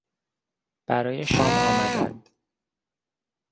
برای شام آمدند.